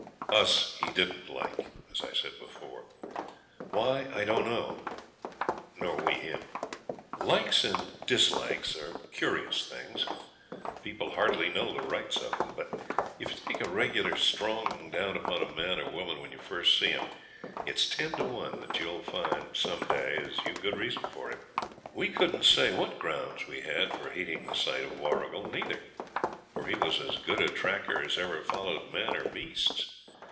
Us he didn't like, as I said before why, I don't know nor we him. Likes and dislikes are curious things. People hardly know the rights of them. But if you take a regular strong down upon a man or woman when you first see 'em it's ten to one that you'll find some day as you've good reason for it. We couldn't say what grounds we had for hating the sight of Warrigal neither, for he was as good a tracker as ever followed man or beasts.